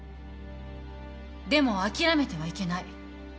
でも諦めてはいけない。